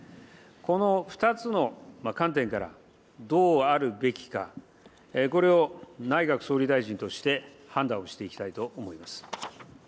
この２つの観点からどうあるべきか、これを内閣総理大臣として判断をしていきたいと思います。